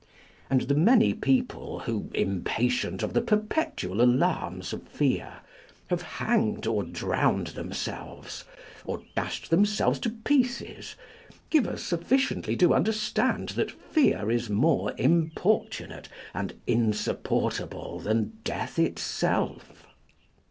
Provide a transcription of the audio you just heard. And the many people who, impatient of the perpetual alarms of fear, have hanged or drowned themselves, or dashed themselves to pieces, give us sufficiently to understand that fear is more importunate and insupportable than death itself.